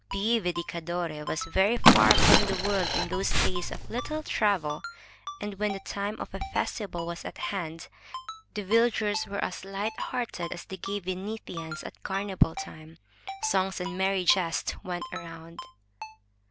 Pieve di Cadore was very far from the world in those days of little travel, and when the time of a festival ^7 M Y BOOK HOUSE was at hand, the villagers were as light hearted as the gay Vene tians at carnival time. Songs and merry jests went roimd.